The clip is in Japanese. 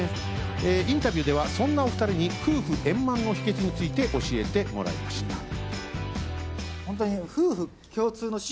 インタビューではそんなお２人に夫婦円満の秘訣について教えてもらいました。